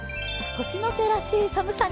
年の瀬らしい寒さに。